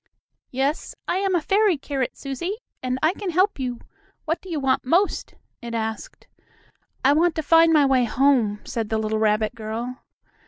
"Yes, I am a fairy carrot, Susie, and I can help you. What do you want most?" it asked. "I want to find my way home," said the little rabbit girl.